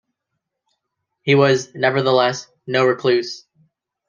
He was, nevertheless, no recluse.